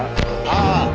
ああ！